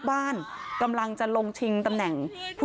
โชว์บ้านในพื้นที่เขารู้สึกยังไงกับเรื่องที่เกิดขึ้น